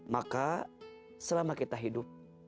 maka selama kita hidup